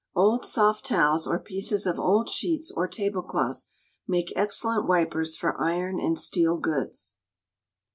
Old soft towels, or pieces of old sheets or tablecloths, make excellent wipers for iron and steel goods.